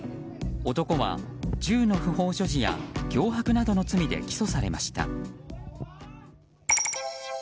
男は銃の不法所持や脅迫などの罪で起訴されました。